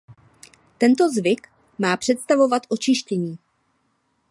Tento zvyk má představovat očištění.